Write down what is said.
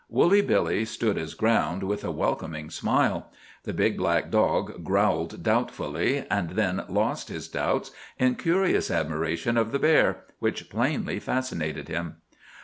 Woolly Billy stood his ground, with a welcoming smile. The big black dog growled doubtfully, and then lost his doubts in curious admiration of the bear, which plainly fascinated him.